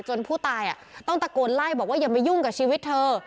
ผู้ตายต้องตะโกนไล่บอกว่าอย่ามายุ่งกับชีวิตเธอ